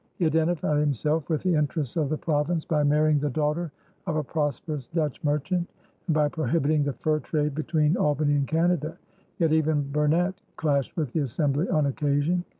He identified himself with the interests of the province by marrying the daughter of a prosperous Dutch merchant and by prohibiting the fur trade between Albany and Canada; yet even Burnet clashed with the Assembly on occasion.